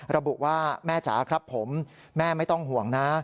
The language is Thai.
ระบุว่าแม่จ๋าครับผมแม่ไม่ต้องห่วงนะ